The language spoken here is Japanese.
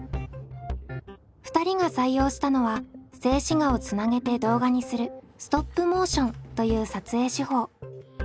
２人が採用したのは静止画をつなげて動画にするストップモーションという撮影手法。